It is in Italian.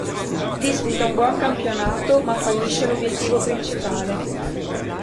Disputa un buon campionato, ma fallisce l'obiettivo principale.